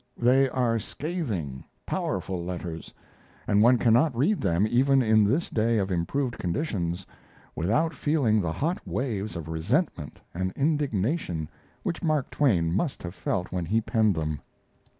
They are scathing, powerful letters, and one cannot read them, even in this day of improved conditions, without feeling the hot waves of resentment and indignation which Mark Twain must have felt when he penned them.